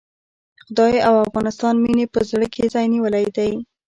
د خدای او افغانستان مينې په زړه کې ځای نيولی دی.